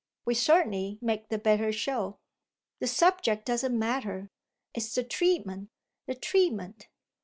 "We certainly make the better show." "The subject doesn't matter, it's the treatment, the treatment!"